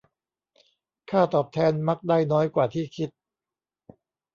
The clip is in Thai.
ค่าตอบแทนมักได้น้อยกว่าที่คิด